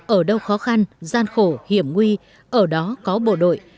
ở đâu khó khăn gian khổ hiểm nguy ở đó có bộ đội